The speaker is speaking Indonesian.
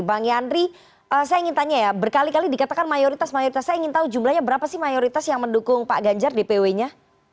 bang yandri saya ingin tanya ya berkali kali dikatakan mayoritas mayoritas saya ingin tahu jumlahnya berapa sih mayoritas yang mendukung pak ganjar dpw nya